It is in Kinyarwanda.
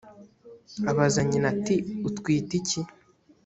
abaza nyina ati “utwite iki?”